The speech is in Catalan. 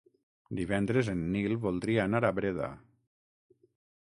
Divendres en Nil voldria anar a Breda.